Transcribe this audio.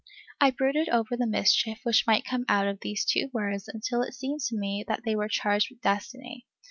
I brooded over the mischief which might come out of these two words until it seemed to me that they were charged with destiny.